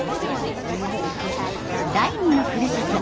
第二のふるさと